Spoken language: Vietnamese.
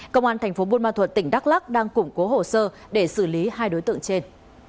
công an thành phố buôn ma thuật tỉnh đắk lắc đang củng cố hồ sơ để xử lý hai đối tượng trên